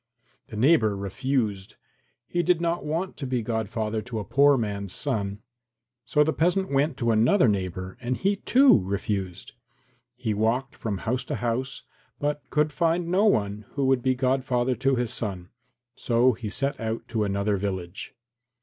The neighbour refused. He did not want to be godfather to a poor man's son. So the peasant went to another neighbour and he, too, refused. He walked from house to house, but could find no one who would be godfather to his son, so he set out to another village.